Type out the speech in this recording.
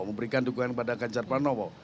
memberikan dukungan kepada ganjar pranowo